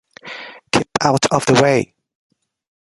Keep out of the way.